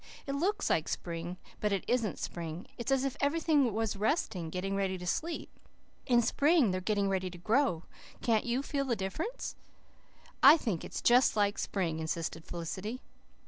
It looks like spring, but it isn't spring. It's as if everything was resting getting ready to sleep. In spring they're getting ready to grow. Can't you FEEL the difference?" "I think it's just like spring," insisted Felicity.